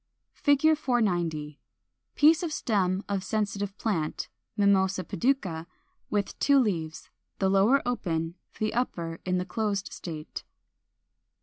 [Illustration: Fig. 490. Piece of stem of Sensitive Plant (Mimosa pudica), with two leaves, the lower open, the upper in the closed state.